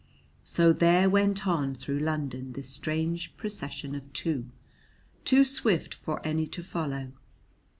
So there went on through London this strange procession of two, too swift for any to follow.